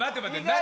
何？